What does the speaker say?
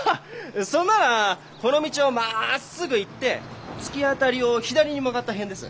そんならこの道をまっすぐ行って突き当たりを左に曲がった辺です。